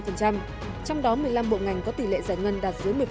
trong đó một mươi năm bộ ngành có tỷ lệ giải ngân đạt dưới một mươi